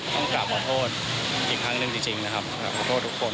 ต้องกลับมาโทษอีกครั้งหนึ่งจริงนะครับกลับขอโทษทุกคน